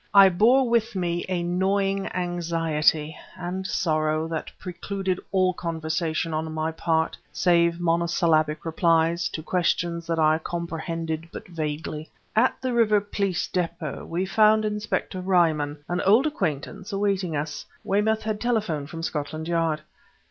I bore with me a gnawing anxiety and sorrow that precluded all conversation on my part, save monosyllabic replies, to questions that I comprehended but vaguely. At the River Police Depot we found Inspector Ryman, an old acquaintance, awaiting us. Weymouth had telephoned from Scotland Yard.